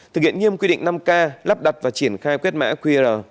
thực hiện nghiêm quy định năm k lắp đặt và triển khai quét mã qr